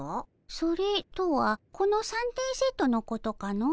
それとはこの三点セットのことかの？